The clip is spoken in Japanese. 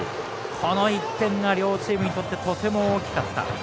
この１点が両チームにとってとても大きかった。